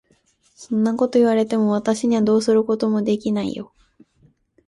そんなことを言われても、私にはどうすることもできないよ。